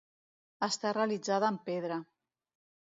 Està realitzada en pedra.